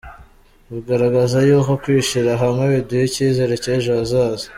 Bigaragaza yuko kwishira hamwe, biduha icyizere cy’ ejo hazaza.